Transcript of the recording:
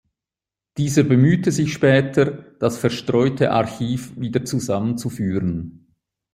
Dieser bemühte sich später, das verstreute Archiv wieder zusammenzuführen.